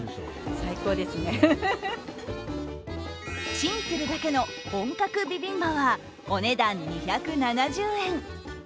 チンするだけの本格ビビンバはお値段２７０円。